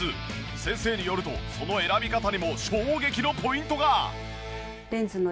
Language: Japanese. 先生によるとその選び方にも衝撃のポイントが！